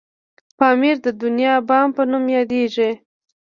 پامير د دنيا بام په نوم یادیږي.